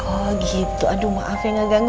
oh gitu aduh maaf ya gak ganggu